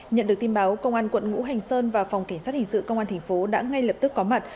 nhận được tin báo công an quận ngũ hành sơn và phòng cảnh sát hình sự công an thành phố đã ngay lập tức có mặt